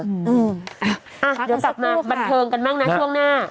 เดี๋ยวกลับมาบันเทิงกันบ้างนะช่วงหน้า